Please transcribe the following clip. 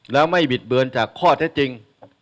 แล้วไม่บิดเบือนจากข้อเท็จจริง